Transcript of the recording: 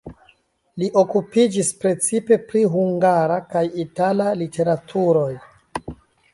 Li okupiĝis precipe pri hungara kaj itala literaturoj.